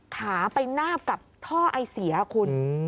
ขาไปนาบกับท่อไอเสียคุณ